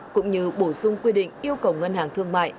cũng như bổ sung quy định yêu cầu ngân hàng thương mại